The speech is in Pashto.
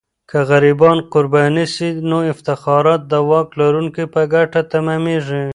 که غریبان قرباني سي، نو افتخارات د واک لرونکو په ګټه تمامیږي.